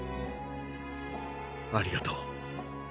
ありがとう。